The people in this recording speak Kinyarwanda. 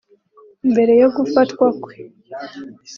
Mbere yo gufatwa kwe